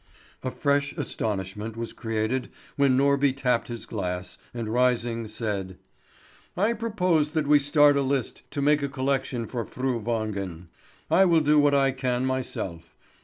A fresh astonishment was created when Norby tapped his glass, and rising said: "I propose that we start a list to make a collection for Fru Wangen. I will do what I can myself.